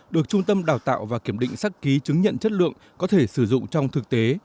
được trung tâm đào tạo và kiểm định xác ký chứng nhận chất lượng có thể sử dụng trong thực tế